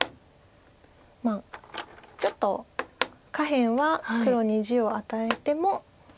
ちょっと下辺は黒に地を与えても。